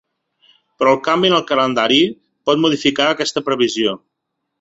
Però el canvi en el calendari pot modificar aquesta previsió.